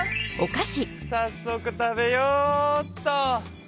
さっそく食べようっと。